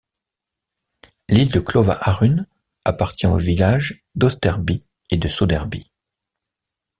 L'île de Klovaharun appartient aux villages d'Österby et de Söderby.